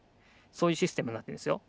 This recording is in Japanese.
そういうシステムになってるんですよ。